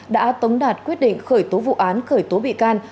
đã tống đạt quyết định khởi tố vụ án khởi tố bị can